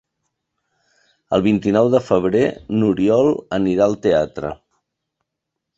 El vint-i-nou de febrer n'Oriol anirà al teatre.